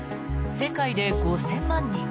世界で５０００万人